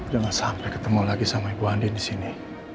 jangan sampai ketemu lagi sama ibu andieng disini